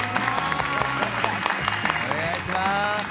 お願いしまーす。